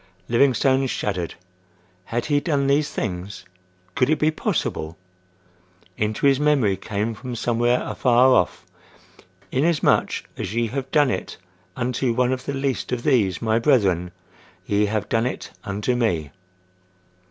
Livingstone shuddered. Had he done these things? Could it be possible? Into his memory came from somewhere afar off: "Inasmuch as ye have done it unto one of the least of these my brethren, ye have done it unto me."